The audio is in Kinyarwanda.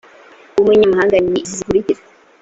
w umunyamahanga ni izi zikurikira